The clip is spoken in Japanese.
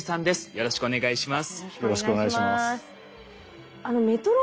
よろしくお願いします。